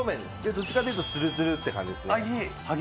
どっちかっていうとツルツルって感じですね。